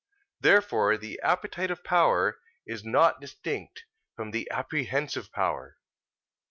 Therefore the appetitive power is not distinct from the apprehensive power.